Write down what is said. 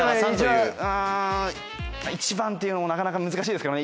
うん「一番」って言うのもなかなか難しいですけどね